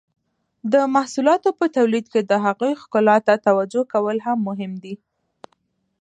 د محصولاتو په تولید کې د هغوی ښکلا ته توجو کول هم مهم دي.